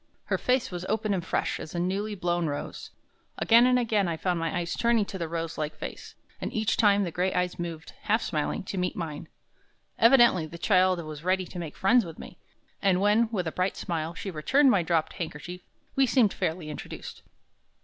Her face was open and fresh as a newly blown rose. Again and again I found my eyes turning to the rose like face, and each time the gray eyes moved, half smiling, to meet mine. Evidently the child was ready to make friends with me. And when, with a bright smile, she returned my dropped handkerchief, we seemed fairly introduced.